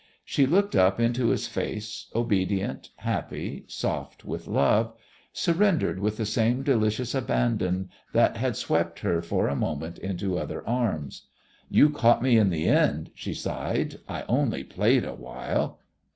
She looked up into his face, obedient, happy, soft with love, surrendered with the same delicious abandon that had swept her for a moment into other arms. "You caught me in the end," she sighed. "I only played awhile."